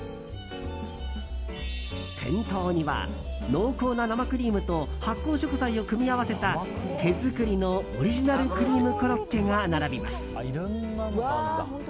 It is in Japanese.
店頭には、濃厚な生クリームと発酵食材を組み合わせた手作りのオリジナルクリームコロッケが並びます。